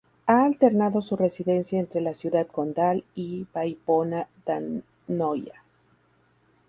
Ha alternado su residencia entre la Ciudad Condal y Vallbona d’Anoia.